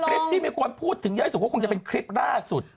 แต่คลิปที่ไม่ควรพูดถึงได้อ้ายสุกวันคงจะเป็นคลิปล่าหสุด